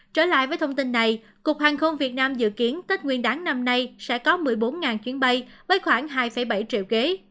trở lại với thông tin này cục hàng không việt nam dự kiến tết nguyên đáng năm nay sẽ có một mươi bốn chuyến bay với khoảng hai bảy triệu ghế